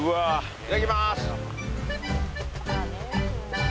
いただきます。